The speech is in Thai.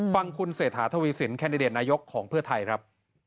ฟังคุณเศรษฐาทวีสินแคนดิเดตนายกของเพื่อไทยครับ